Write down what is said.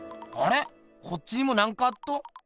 こっちにもなんかあっど。